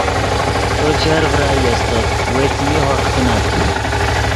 تو چر ڤرائی استت وئے څیمی ہورغ کینت